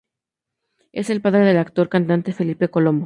Es el padre del actor y cantante Felipe Colombo.